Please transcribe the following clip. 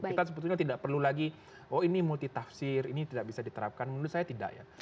kita sebetulnya tidak perlu lagi oh ini multitafsir ini tidak bisa diterapkan menurut saya tidak ya